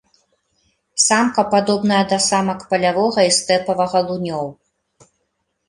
Самка падобная да самак палявога і стэпавага лунёў.